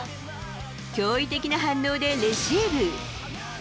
驚異的な反応でレシーブ。